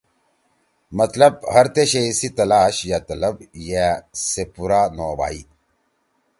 مطلب ہر تے شیئی سی تلاݜ یا طلب یأ سے پُورا نہ ہوبھائی۔